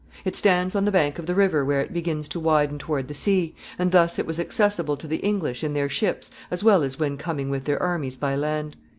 It stands on the bank of the river where it begins to widen toward the sea, and thus it was accessible to the English in their ships as well as when coming with their armies by land.